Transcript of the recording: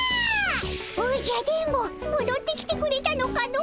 おじゃ電ボもどってきてくれたのかの。